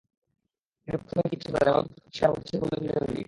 তিনি প্রাথমিক জিজ্ঞাসাবাদে জালালকে হত্যার কথা স্বীকার করেছেন বলে পুলিশের দাবি।